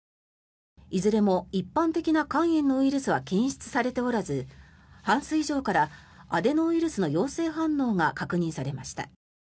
いずれも一般的な肝炎のウイルスは検出されておらず半数以上からアデノウイルスの陽性反応が確認されました。